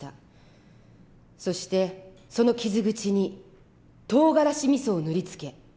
そしてその傷口にとうがらしみそを塗り付け